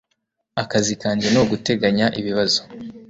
Akazi kanjye ni uguteganya ibibazo.